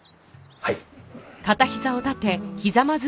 はい。